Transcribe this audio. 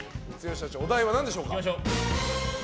お題は何でしょうか？